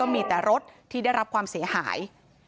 มีแต่รถที่ได้รับความเสียหาย